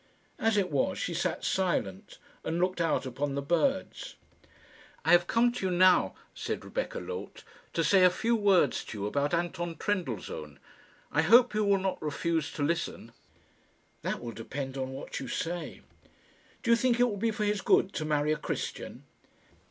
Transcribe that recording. As it was, she sat silent and looked out upon the birds. "I have come to you now," said Rebecca Loth, "to say a few words to you about Anton Trendellsohn. I hope you will not refuse to listen." "That will depend on what you say." "Do you think it will be for his good to marry a Christian?"